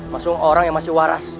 masuk orang yang masih waras